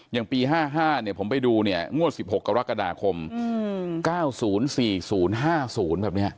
อย่างปี๕๕ผมไปดูงวด๑๖กรกฎาคม๙๐๔๐๕๐แบบนี้ฮะ